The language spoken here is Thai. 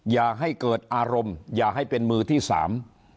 อย่าให้เกิดอารมณ์อย่าให้เป็นมือที่สาม